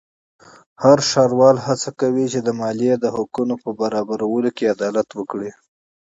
هر ښاروال هڅه کوي چې د مالیې د حقونو په برابرولو کې عدالت وکړي.